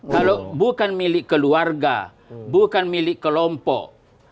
kalau bukan milik keluarga bukan milik kelompok